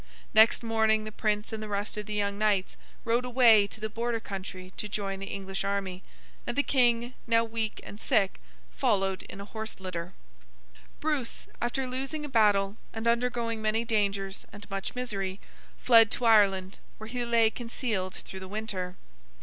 Next morning the Prince and the rest of the young Knights rode away to the Border country to join the English army; and the King, now weak and sick, followed in a horse litter. Bruce, after losing a battle and undergoing many dangers and much misery, fled to Ireland, where he lay concealed through the winter.